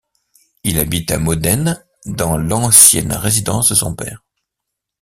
Il habite à Modène dans l'ancienne résidence de son père.